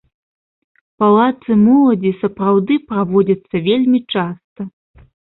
Палацы моладзі сапраўды праводзяцца вельмі часта.